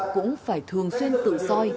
cũng phải thường xuyên tự soi